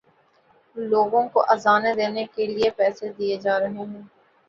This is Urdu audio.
لوگوں کو اذانیں دینے کے لیے پیسے دیے جا رہے ہیں۔